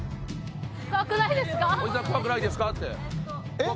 えっ？